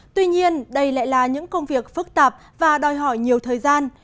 tuy nhiên đây lại là những công việc phức tạp và đòi hỏi nhiều thời gian